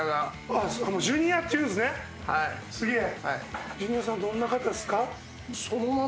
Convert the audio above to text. すげえ。